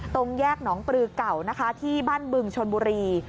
ตรงแยกหนองปลือเก่านะคะที่บ้านบึงชนบุรี